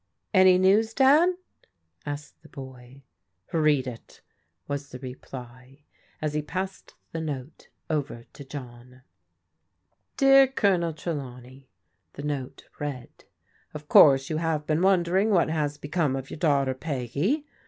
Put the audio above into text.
"Any news, Dad?" asked the boy. " Read it," was the reply, as he passed the note over to John. "Dear Colonel Trelawney," the note read, "Of course you have been wondering what has become of your daughter Peggy.